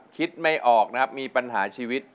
คิดไม่ออกนะครับมีปัญหาชีวิต